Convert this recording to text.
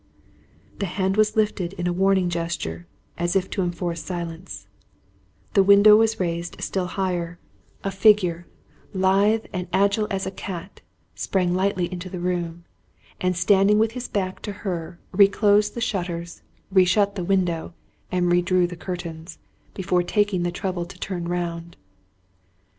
The hand was lifted in a warning gesture, as if to enforce silence; the window was raised still higher, a figure, lithe and agile as a cat, sprang lightly into the room, and standing with his back to her, re closed the shutters, re shut the window, and re drew the curtains, before taking the trouble to turn round.